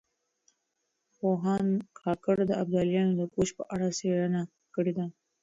پوهاند کاکړ د ابدالیانو د کوچ په اړه څېړنه کړې ده.